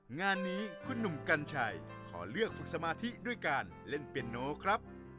งานนี้คุณหนุ่มกัญชัยขอเลือกฝึกสมาธิด้วยการเล่นเปียโนครับ